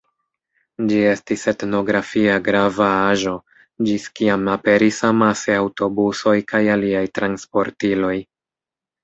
Ĝi estis etnografia grava aĵo, ĝis kiam aperis amase aŭtobusoj kaj aliaj transportiloj.